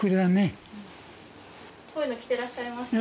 こういうの着てらっしゃいました？